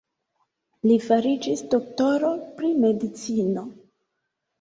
Li fariĝis doktoro pri medicino.